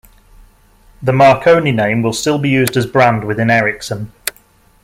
The Marconi name will still be used as brand within Ericsson.